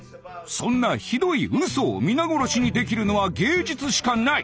そんなひどい嘘を皆殺しにできるのは芸術しかない。